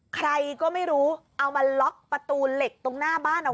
ใครก็ไม่รู้เอามาล็อกประตูเหล็กตรงหน้าบ้านเอาไว้